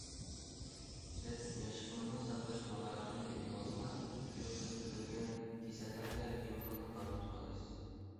سىز ياشلىقىڭىزنى ساقلاش ماھارىتىنى ئۆگىنىۋالسىڭىز، تۇيۇقسىز كۆرۈلگەن كېسەللەرگە بىمالال تاقابىل تۇرالايسىز.